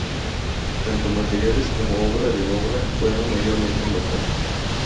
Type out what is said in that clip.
Tanto materiales como obra de obra fueron mayormente locales.